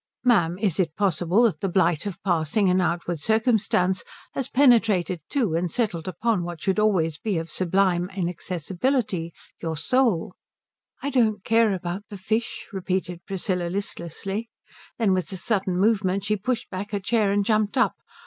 "Ma'am, is it possible that the blight of passing and outward circumstance has penetrated to and settled upon what should always be of a sublime inaccessibility, your soul?" "I don't care about the fish," repeated Priscilla listlessly. Then with a sudden movement she pushed back her chair and jumped up.